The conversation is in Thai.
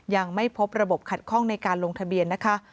ยังไม่พบระบบขัดข้องในการลงทะเบียนนะคะ